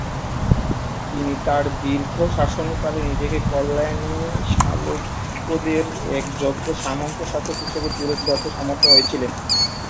তিনি তার দীর্ঘ শাসনকালে নিজেকে কল্যাণী চালুক্যদের এক যোগ্য সামন্ত শাসক হিসেবে তুলে ধরতে সমর্থ হয়েছিলেন।